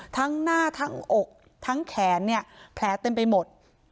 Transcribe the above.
ทั้งหน้าทั้งอกทั้งแขนเนี่ยแผลเต็มไปหมด